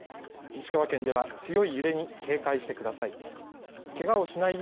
石川県では強い揺れに警戒してください。